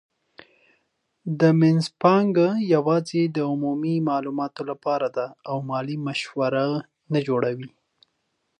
دا مینځپانګه یوازې د عمومي معلوماتو لپاره ده او مالي مشوره نه جوړوي.